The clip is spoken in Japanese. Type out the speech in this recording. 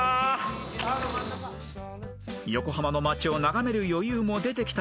［横浜の街を眺める余裕も出てきたところで］